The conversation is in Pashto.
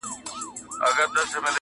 ورته ګوره چي عطا کوي سر خم کا.